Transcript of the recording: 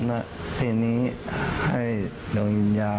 และทีนี้ให้ลงยืนยา